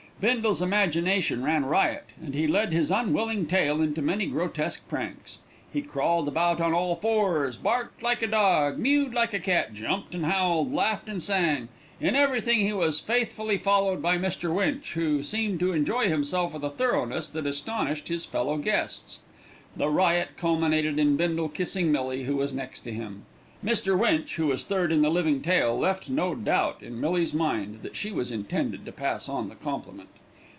Bindle's imagination ran riot, and he led his unwilling tail into many grotesque pranks. He crawled about on all fours, barked like a dog, mewed like a cat, jumped and howled, laughed and sang. In everything he was faithfully followed by Mr. Winch, who seemed to enjoy himself with a thoroughness that astonished his fellow guests. The riot culminated in Bindle kissing Millie, who was next to him. Mr. Winch, who was third in the living tail, left no doubt in Millie's mind that she was intended to pass on the compliment.